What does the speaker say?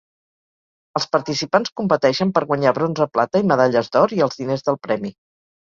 Els participants competeixen per guanyar bronze, plata i medalles d'or, i els diners del premi.